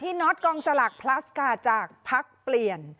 ที่น็อตกองสลักพลาสกาจากพักเปลี่ยน